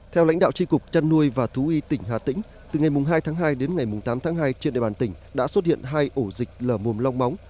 theo lãnh đạo tri cục chăn nuôi và thú y tỉnh hà tĩnh từ ngày hai tháng hai đến ngày tám tháng hai trên địa bàn tỉnh đã xuất hiện hai ổ dịch lở mồm long móng